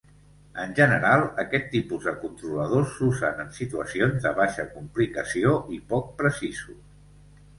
En general, aquest tipus de controladors s'usen en situacions de baixa complicació i poc precisos.